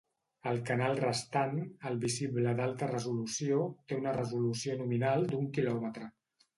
El canal restant, el visible d’alta resolució, té una resolució nominal d’un quilòmetre.